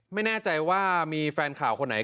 ไม่แน่ใจว่ามีแฟนข่าวคนไหน